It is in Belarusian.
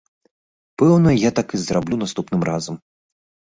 Пэўна, я так і зраблю наступным разам.